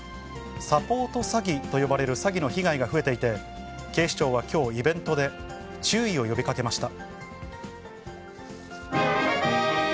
サポート詐欺と呼ばれる詐欺の被害が増えていて、警視庁はきょう、イベントで注意を呼びかけました。